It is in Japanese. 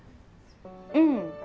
うん。